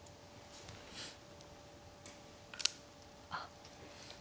あっ。